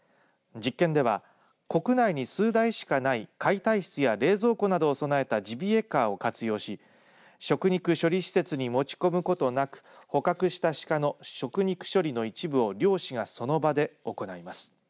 実験では、国内に数台しかない解体室や冷蔵庫などを備えたジビエカーを活用し食肉処理施設に持ち込むことなく捕獲したシカの食肉処理の一部を猟師がその場で行います。